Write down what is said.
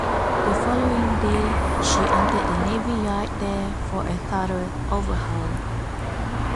The following day, she entered the navy yard there for a thorough overhaul.